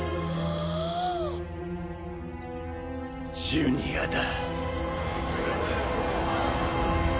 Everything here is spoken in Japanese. ジュニアだ